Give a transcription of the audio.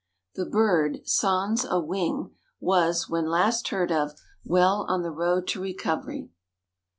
The bird, sans a wing, was, when last heard of, well on the road to recovery.